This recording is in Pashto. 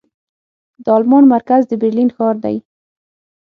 د المان مرکز د برلين ښار دې.